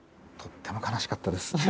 とっても悲しかったです。